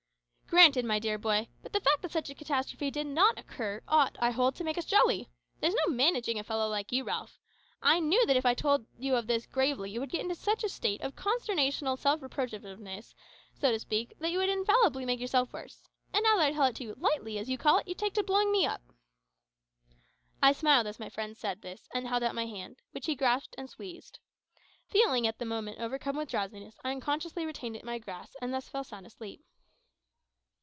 "Granted, my dear boy; but the fact that such a catastrophe did not occur, ought, I hold, to make us jolly. There's no managing a fellow like you, Ralph. I knew that if I told you of this gravely, you would get into such a state of consternational self reproachativeness, so to speak, that you would infallibly make yourself worse. And now that I tell it to you `lightly,' as you call it, you take to blowing me up." I smiled as my friend said this, and held out my hand, which he grasped and squeezed. Feeling at the moment overcome with drowsiness, I unconsciously retained it in my grasp, and thus fell sound asleep.